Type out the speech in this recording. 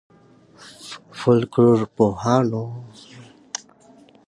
فولکلورپوهانو د نکل کیسې په څو واحدونو وېشلي دي.